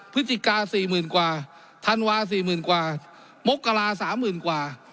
พฤติกา๔๐๐๐๐กว่าธันวาฯ๔๐๐๐๐กว่ามกราศาสตร์๓๐๐๐๐กว่า